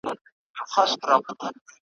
د مۍ لسمه د مور ورځ ده